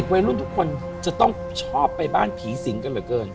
วัยรุ่นทุกคนจะต้องชอบไปบ้านผีสิงกันเหลือเกิน